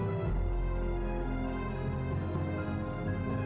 apakah kamu sendiri menghargai bertahan belah barang ni